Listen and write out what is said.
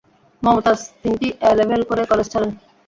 মমতাজ তিনটি এ-লেভেল করে কলেজ ছাড়েন।